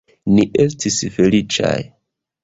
Ni estis feliĉaj.